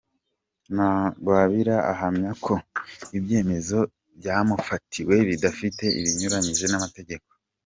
Ntagwabira ahamya ko ibyemezo byamufatiwe bidafite binyuranyije n’amategeko.